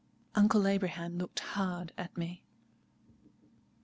Uncle Abraham looked hard at me.